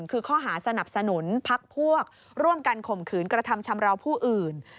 คือข้อหาสนับสนุนพักพวกร่วมกันข่มขืนกระทำชำราวผู้อื่น